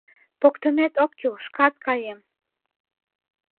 Поктымет ок кӱл, шкат каем.